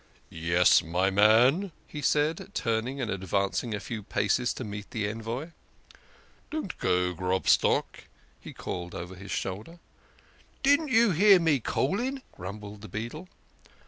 "Yes, my man," he said, turning and advancing a few paces to meet the envoy. " Don't go, Grob stock," he called over his shoulder. " Didn't you hear me calling?" grum bled the beadle.